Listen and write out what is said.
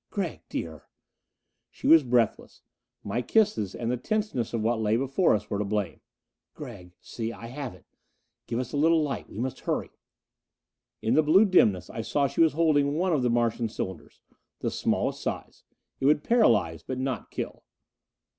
"Gregg, dear " She was breathless. My kisses, and the tenseness of what lay before us were to blame. "Gregg, see, I have it. Give us a little light we must hurry!" In the blue dimness I saw that she was holding one of the Martian cylinders. The smallest size; it would paralyze, but not kill.